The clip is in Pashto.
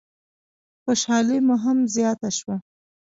خوشحالي مو هم زیاته شوه.